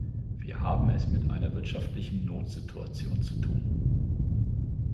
Wir haben es mit einer wirtschaftlichen Notsituation zu tun.